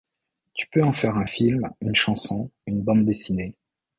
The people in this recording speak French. Tu peux en faire un film, une chanson, une bande dessinée…